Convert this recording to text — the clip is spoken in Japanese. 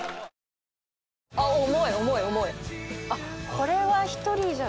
これは１人じゃ。